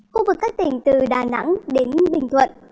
khu vực các tỉnh từ đà nẵng đến bình thuận